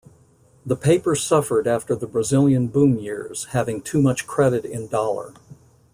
The paper suffered after the Brazilian boom years having too much credit in dollar.